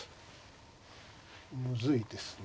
むずいですね。